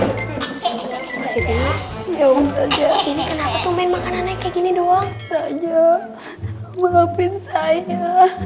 hai mesti ya nggak jadi kenapa tuh main makanan kayak gini doang saja maafin saya